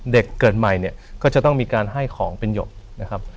เกิดใหม่เนี่ยก็จะต้องมีการให้ของเป็นหยกนะครับ